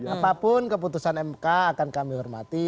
apapun keputusan mk akan kami hormati